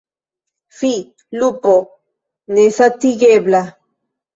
fi, lupo nesatigebla!